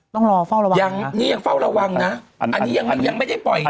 ต้องรอเฝ้าระวังยังนี่ยังเฝ้าระวังนะอันนี้ยังไม่ได้ปล่อยนะ